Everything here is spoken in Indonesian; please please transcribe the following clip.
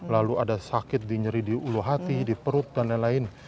lalu ada sakit di nyeri di ulu hati di perut dan lain lain